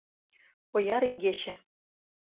ОЯР ИГЕЧЕ